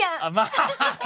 ハハハハ！